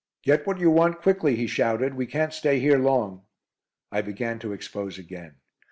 "Get what you want quickly," he shouted. "We can't stay here long." I began to expose again.